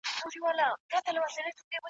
جهاني قاصد دي بولي نوی زېری یې راوړی ..